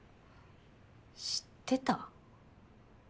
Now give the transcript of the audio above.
知ってた？